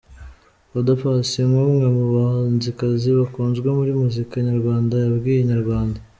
Oda Paccy nk’umwe mu bahanzikazi bakunzwe muri muzika nyarwanda yabwiye Inyarwanda.